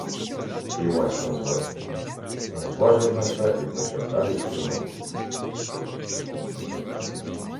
Івась не зважив на це й почав далі співати.